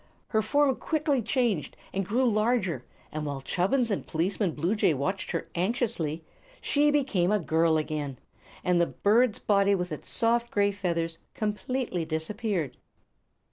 Her form quickly changed and grew larger; and while Chubbins and Policeman Bluejay watched her anxiously she became a girl again, and the bird's body with its soft gray feathers completely disappeared.